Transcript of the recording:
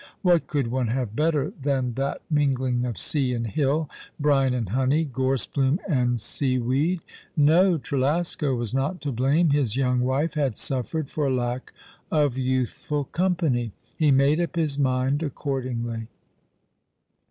What could one have better than that mingling of sea and hill, brine and honey, gorse bloom and seaweed? No, Trelasco was not to blame. His young wife had suffered for lack of youthful company. He made up his mind accordingly.